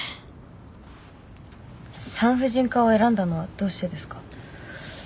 産婦人科を選んだのはどうしてですか？